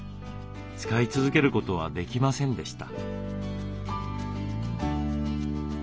使い続けることはできませんでした。